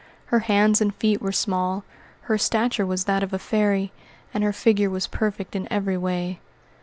Her hands and feet were small, her stature was that of a fairy, and her figure was perfect in every way.